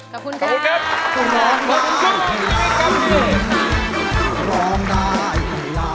ขอบคุณค่ะ